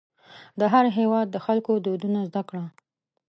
د هر هېواد د خلکو دودونه زده کړه.